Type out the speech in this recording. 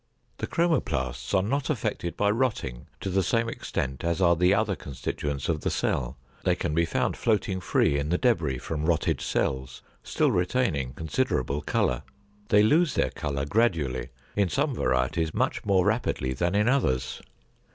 The chromoplasts are not affected by rotting to the same extent as are the other constituents of the cell; they can be found floating free in the debris from rotted cells, still retaining considerable color. They lose their color gradually, in some varieties much more rapidly than in others.